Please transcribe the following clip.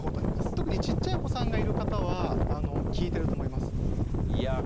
特にちっちゃいお子さんがいる方は聴いてると思います。